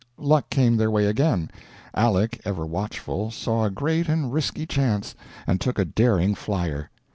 Luck came their way again. Aleck, ever watchful saw a great and risky chance, and took a daring flyer.